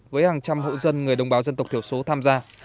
với hàng trăm hộ dân người đồng bào dân tộc thiểu số tham gia